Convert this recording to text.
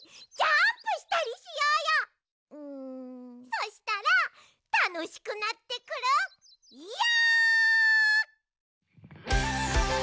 そしたらたのしくなってくるよ！